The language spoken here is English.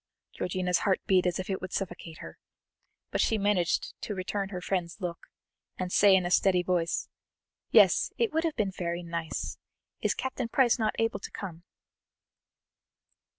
Georgiana's heart beat as if it would suffocate her, but she managed to return her friend's look, and say in a steady voice: "Yes, it would have been very nice. Is Captain Price not able to come?"